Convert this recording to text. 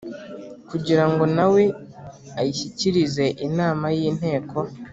kugira ngo na we ayishyikirize inama y Inteko